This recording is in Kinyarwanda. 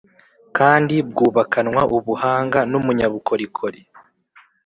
kandi bwubakanwa ubuhanga n’umunyabukorikori.